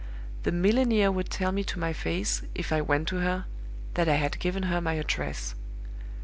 The milliner would tell me to my face, if I went to her, that I had given her my address.